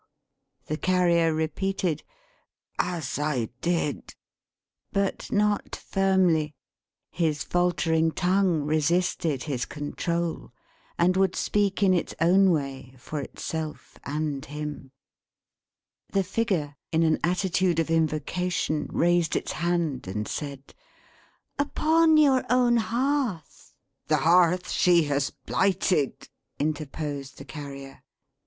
The Carrier repeated "as I did." But not firmly. His faltering tongue resisted his control, and would speak in its own way, for itself and him. The Figure, in an attitude of invocation, raised its hand and said: "Upon your own hearth" "The hearth she has blighted," interposed the Carrier.